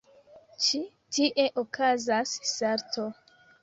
Ĉi tie okazas salto.